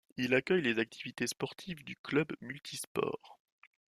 Il accueille les activités sportives du club multisports.